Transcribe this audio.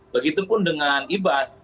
begitupun dengan ibas